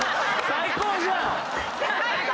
最高じゃん！